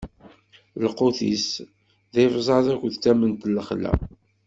Lqut-is, d ibẓaẓ akked tament n lexla.